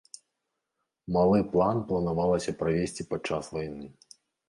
Малы план планавалася правесці падчас вайны.